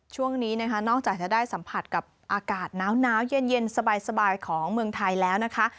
ช่วงนี้นะคะนอกจากจะได้สัมผัสกับอากาศน้าวเย็นสบายของเมืองไทยแล้วนะคะ